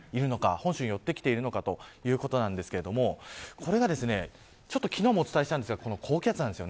本州に寄ってきているのかということですが昨日もお伝えしたんですがこの高気圧なんです。